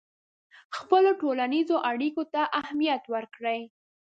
خپلو ټولنیزو اړیکو ته اهمیت ورکړئ.